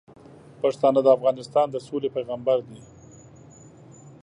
پښتانه د افغانستان د سولې پیغامبر دي.